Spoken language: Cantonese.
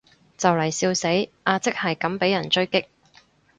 就嚟笑死，阿即係咁被人狙擊